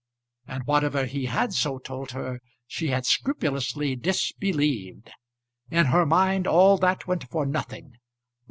And whatever he had so told her, she had scrupulously disbelieved. In her mind all that went for nothing.